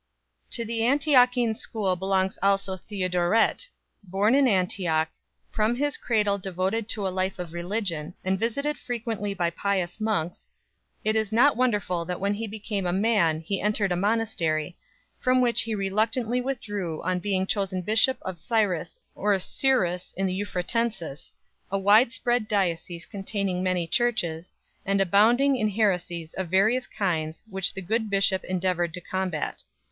To the Antiochene School belongs also Theodoret 1 .[ TiKodoret, Born at Antioch, from his cradle devoted to a life of j &ornc.390. religion, and visited frequently by pious monks, it is not wonderful that when he became a man he entered a monastery, from which he reluctantly withdrew on being Bishop of Cyrrlius, 423. Died chosen bishop of Cyrus or Cyrrhus in the Euphratensis, a wide spread diocese containing many churches, and abounding in heresies of various kinds which the good bishop endeavoured to combat.